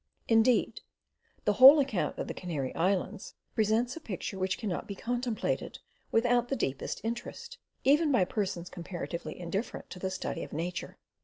Indeed, the whole account of the Canary Islands presents a picture which cannot be contemplated without the deepest interest, even by persons comparatively indifferent to the study of nature.